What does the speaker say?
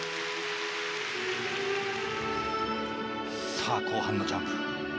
さあ後半のジャンプ。